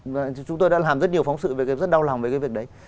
và chúng tôi đã làm rất nhiều phóng sự về rất đau lòng về cái việc đấy